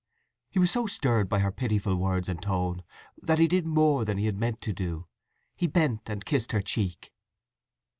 He was so stirred by her pitiful words and tone that he did more than he had meant to do. He bent and kissed her cheek.